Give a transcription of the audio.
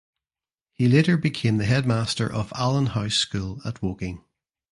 He later became the headmaster of Allen House School at Woking.